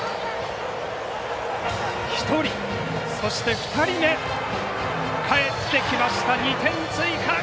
１人、そして２人目かえって来ました、２点追加。